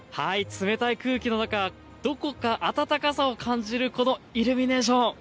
冷たい空気の中、どこかあたたかさを感じる光のイルミネーション。